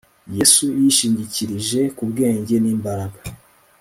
Yesu yishingikirije ku bwenge nimbaraga